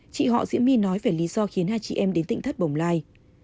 chị họ diễm my nói về lý do khiến hai chị em đến tỉnh thất bồng lai